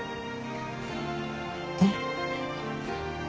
えっ？